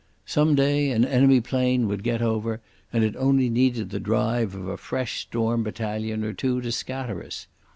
Some day an enemy plane would get over, and it only needed the drive of a fresh storm battalion or two to scatter us.